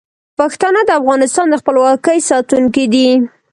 پښتانه د افغانستان د خپلواکۍ ساتونکي دي.